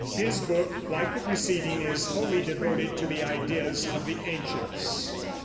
His book, like the preceding, is wholly devoted to the ideas of the ancients. II.